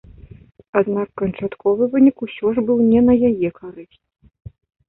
Аднак канчатковы вынік усё ж быў не на яе карысць.